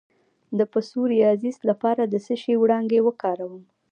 د پسوریازیس لپاره د څه شي وړانګې وکاروم؟